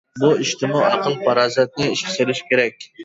بۇ ئىشتىمۇ ئەقىل-پاراسەتنى ئىشقا سېلىش كېرەك.